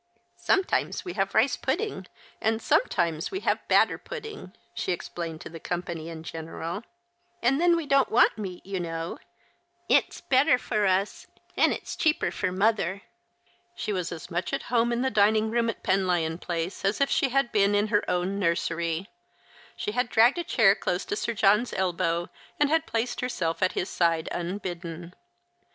Some times we have rice pudding, and sometimes we have batter pudding," she explained to the company in general ;" and then we don't want meat, you know. It's better for us, and it's cheaper for mother." She was as much at home in the dining room at Penlyon Place as if she had been in her own nursery. She had dragged a chair close to Sir John's elbow, and had placed herself at his side unbidden.